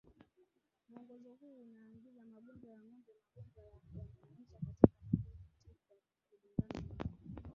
Mwongozo huu unaangazia magonjwa ya ng'ombe Magonjwa haya yameainishwa katika makundi tisa kulingana na